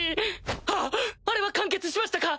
あっあれは完結しましたか？